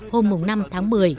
hôm năm tháng một mươi